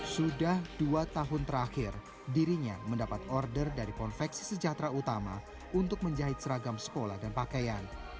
sudah dua tahun terakhir dirinya mendapat order dari konveksi sejahtera utama untuk menjahit seragam sekolah dan pakaian